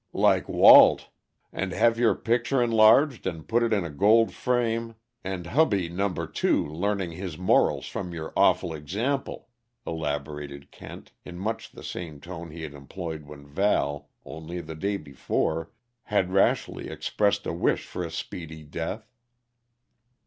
"Like Walt. And have your picture enlarged and put in a gold frame, and hubby number two learning his morals from your awful example," elaborated Kent, in much the same tone he had employed when Val, only the day before, had rashly expressed a wish for a speedy death.